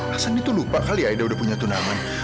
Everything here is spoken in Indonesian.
aksan itu lupa kali aida udah punya tunaman